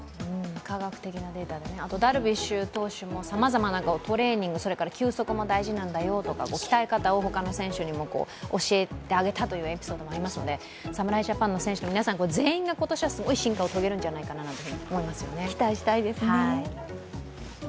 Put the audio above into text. あとダルビッシュ投手もさまざまなトレーニング、休息も大事なんだよとか鍛え方を他の選手に教えてあげたというエピソードもありますので侍ジャパンの選手、皆さん、全員が今年、すごい進化を遂げるんじゃないかと思いますね。